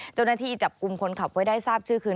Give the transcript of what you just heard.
เจ้าหน้าที่จับกลุ่มคนขับไว้ได้ทราบชื่อคือ